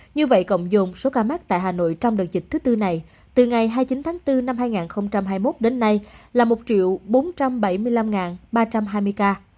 như vậy cộng dồn số ca mắc tại hà nội trong đợt dịch thứ tư này từ ngày hai mươi chín tháng bốn năm hai nghìn hai mươi một đến nay là một bốn trăm bảy mươi năm ba trăm hai mươi ca